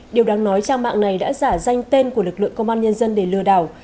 điều đáng nói trang mạng này đã giả danh tên của lực lượng công an nhân dân để lừa đảo